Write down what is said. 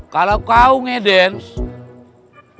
kalau kau ngedance